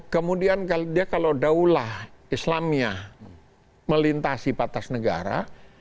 kemudian dia kalau daulah islamnya melintasi patas negara